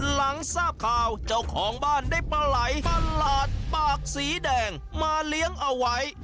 หลังทราบข่าวเจ้าของบ้านได้ปลาไหลประหลาดปากสีแดงมาเลี้ยงเอาไว้